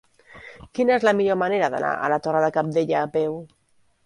Quina és la millor manera d'anar a la Torre de Cabdella a peu?